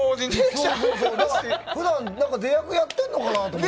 普段、出役をやってるのかなと。